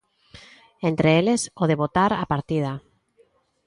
Entre eles, o de botar a partida.